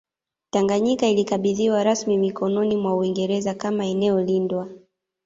Tanganyika ilikabidhiwa rasmi mikononi mwa Uingereza kama eneo lindwa